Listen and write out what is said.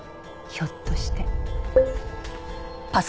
ひょっとして。